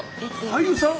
俳優さん？